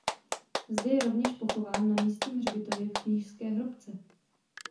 Zde je rovněž pochován na místním hřbitově v kněžské hrobce.